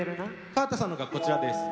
河田さんのがこちらです。